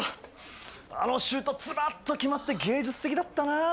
あのシュートズバッと決まって芸術的だったなあ。